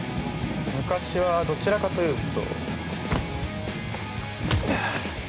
昔はどちらかと言うと。